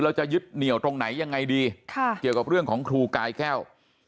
จะยึดเหนียวตรงไหนยังไงดีเกี่ยวกับเรื่องของครูกายแก้ว